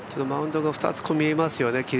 マウンドが２つ見えますよね